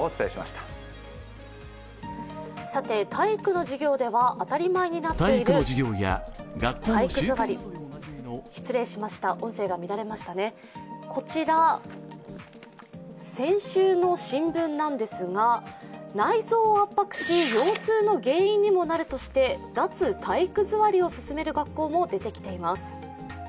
さて、体育の授業では当たり前になっている体育座り失礼しました、音声が乱れましたねこちら、先週の新聞なんですが内臓を圧迫し腰痛の原因にもなるとして脱・体育座りを進める学校も出てきています。